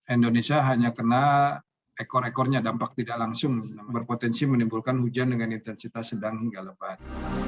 indonesia hanya kena ekor ekornya dampak tidak langsung berpotensi menimbulkan hujan dengan intensitas sedang hingga lebat